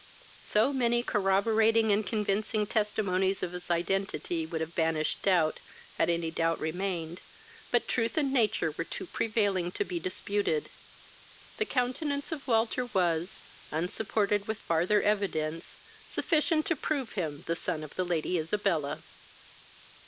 So many corroborating and convincing testimonies of his identity would have banished doubt, had any doubt remained; but truth and nature were too prevailing to be disputed; the countenance of Walter was, unsupported with farther evidence, sufficient to prove him the son of the Lady Isabella.